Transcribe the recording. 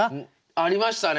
ありましたね。